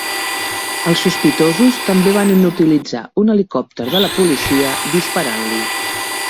Els sospitosos també van inutilitzar un helicòpter de la policia disparant-li.